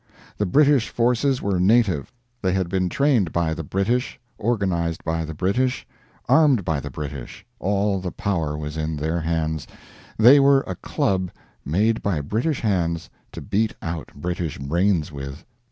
The British forces were native; they had been trained by the British, organized by the British, armed by the British, all the power was in their hands they were a club made by British hands to beat out British brains with.